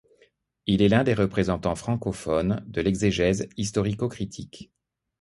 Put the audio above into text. Il est l'un des représentants francophones de l'exégèse historico-critique.